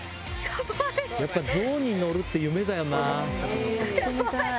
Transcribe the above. やっぱ象に乗るって夢だよな。